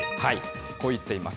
こう言っています。